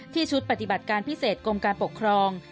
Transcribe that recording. ชุดปฏิบัติการพิเศษกรมการปกครอง